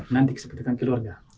nanti kesepakatan keluarga